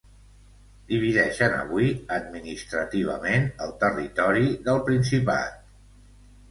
divideixen avui administrativament el territori del Principat